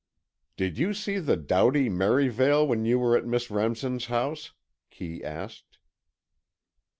"Did you see the doughty Merivale when you were at Miss Remsen's house?" Kee asked.